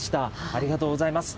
ありがとうございます。